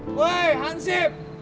muka dong gerbangnya